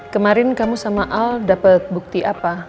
kemarin kamu sama al dapat bukti apa